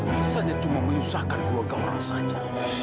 misalnya cuma menyusahkan keluarga orang saja